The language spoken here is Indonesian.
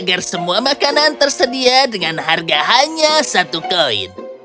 agar semua makanan tersedia dengan harga hanya satu koin